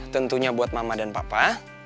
tentunya buat mama dan papa